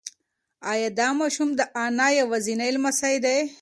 ایا دا ماشوم د انا یوازینی لمسی دی؟